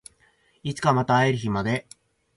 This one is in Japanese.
いつかまた会える日まで